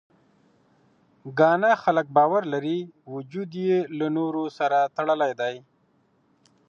ګانا خلک باور لري، وجود یې له نورو سره تړلی دی.